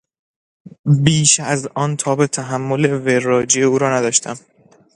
بیش از آن تاب تحمل وراجی او را نداشتم.